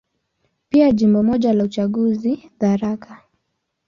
Pia Jimbo moja la uchaguzi, Tharaka.